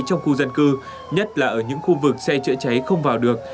trong khu dân cư nhất là ở những khu vực xe chữa cháy không vào được